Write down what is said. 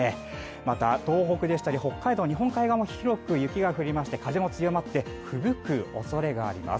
また、東北や北海道の日本海側も広く雪が降りまして風も強まって、ふぶくおそれがあります。